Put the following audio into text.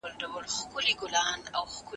ایا دا هلک به نن بیا انا وځوروي؟